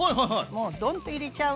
もうドンと入れちゃう。